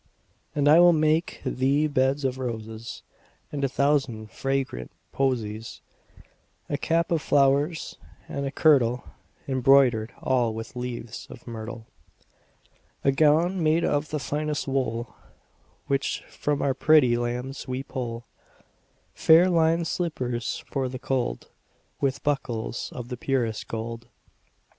And I will make thee beds of roses And a thousand fragrant posies; 10 A cap of flowers, and a kirtle Embroider'd all with leaves of myrtle. A gown made of the finest wool Which from our pretty lambs we pull; Fair linèd slippers for the cold, 15 With buckles of the purest gold.